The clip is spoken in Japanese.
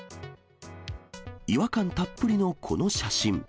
違和感たっぷりのこの写真。